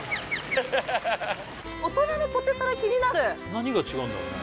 何が違うんだろうね